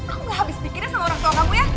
aku gak habis pikirnya sama orang tua kamu ya